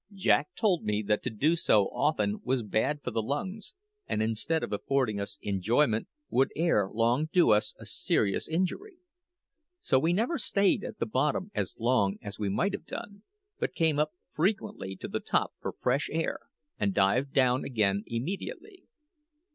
Jack told me that to do so often was bad for the lungs, and instead of affording us enjoyment, would ere long do us a serious injury. So we never stayed at the bottom as long as we might have done, but came up frequently to the top for fresh air, and dived down again immediately.